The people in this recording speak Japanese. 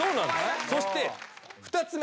そして２つ目。